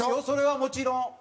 それはもちろん。